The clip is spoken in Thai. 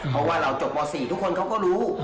เพราะว่าเราจบม๔ทุกคนเขาก็รู้